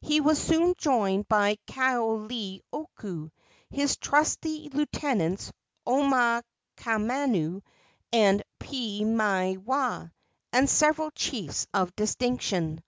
He was soon joined by Kaoleioku, his trusty lieutenants Omaukamau and Piimaiwaa, and several chiefs of distinction.